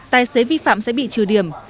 tài xế vi phạm sẽ bị trừ điểm